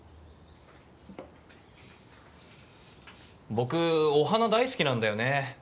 僕お花大好きなんだよね。